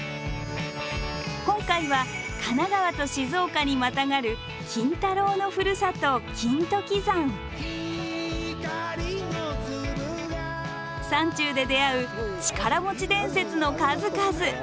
今回は神奈川と静岡にまたがる金太郎のふるさと山中で出会う力持ち伝説の数々。